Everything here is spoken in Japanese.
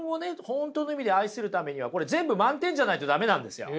本当の意味で愛するためにはこれ全部満点じゃないと駄目なんですよ。